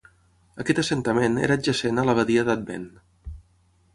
Aquest assentament era adjacent a la badia d'Advent.